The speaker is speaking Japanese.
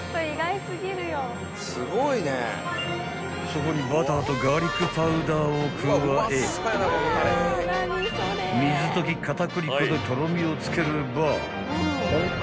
［そこにバターとガーリックパウダーを加え水溶き片栗粉でとろみをつければ］